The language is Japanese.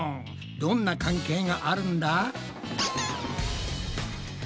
どんな関係があるんだ？